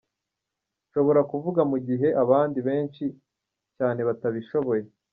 Nshobora kuvuga mu gihe abandi benshi cyane batabishoboye.